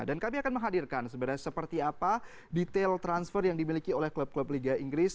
dan kami akan menghadirkan sebenarnya seperti apa detail transfer yang dimiliki oleh klub klub liga inggris